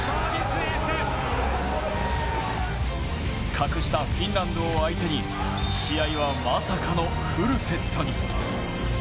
格下・フィンランドを相手に試合は、まさかのフルセットに。